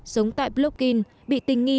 sống tại blokin bị tình nghi